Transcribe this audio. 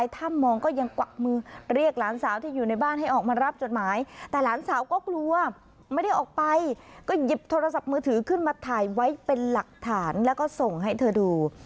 ถือขึ้นมาถ่ายไว้เป็นหลักฐานแล้วก็ส่งให้เธอดู